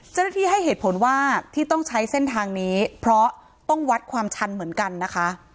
ให้เหตุผลว่าที่ต้องใช้เส้นทางนี้เพราะต้องวัดความชันเหมือนกันนะคะ